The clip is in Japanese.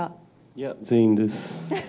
いや、全員です。